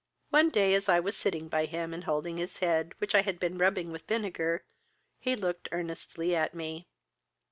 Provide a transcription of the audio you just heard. One day, as I was sitting by him, and holding his head, which I had been rubbing with vinegar, he looked earnestly at me.